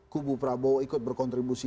kubu prabowo ikut berkontribusi